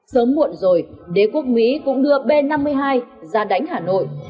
sớm muộn rồi đế quốc mỹ cũng đưa b năm mươi hai ra đánh hà nội